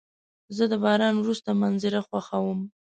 زه د باران وروسته منظره خوښوم.